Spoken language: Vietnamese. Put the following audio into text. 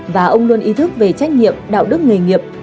và ông luôn ý thức về trách nhiệm đạo đức nghề nghiệp